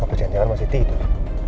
apa janjian masih tidur